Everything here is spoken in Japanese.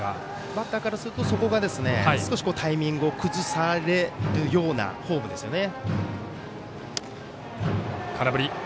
バッターからするとそこがタイミングを崩されるようなフォームですよね。